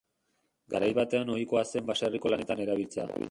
Garai batean, ohikoa zen baserriko lanetan erabiltzea.